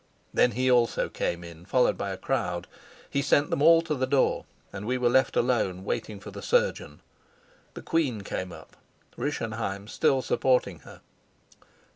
Then he also came in, followed by a crowd. He sent them all to the door, and we were left alone, waiting for the surgeon. The queen came up, Rischenheim still supporting her.